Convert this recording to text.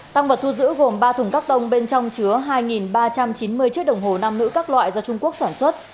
tăng vật thu giữ gồm ba thùng các tông bên trong chứa hai ba trăm chín mươi chiếc đồng hồ nam nữ các loại do trung quốc sản xuất